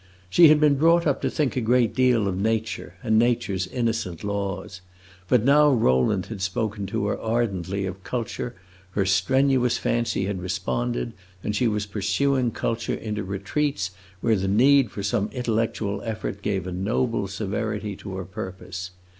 She had been brought up to think a great deal of "nature" and nature's innocent laws; but now Rowland had spoken to her ardently of culture; her strenuous fancy had responded, and she was pursuing culture into retreats where the need for some intellectual effort gave a noble severity to her purpose.